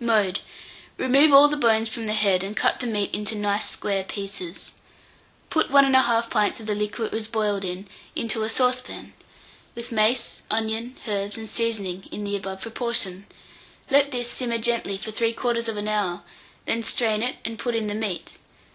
Mode. Remove all the bones from the head, and cut the meat into nice square pieces. Put 1 1/2 pint of the liquor it was boiled in into a saucepan, with mace, onion, herbs, and seasoning in the above proportion; let this simmer gently for 3/4 hour, then strain it and put in the meat.